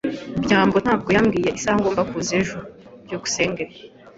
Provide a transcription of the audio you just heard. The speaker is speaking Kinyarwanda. byambo ntabwo yambwiye isaha ngomba kuza ejo. byukusenge